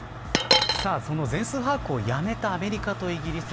全数把握をやめたアメリカとイギリス。